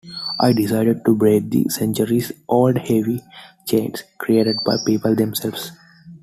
I decided to break the centuries-old heavy chains, created by people themselves.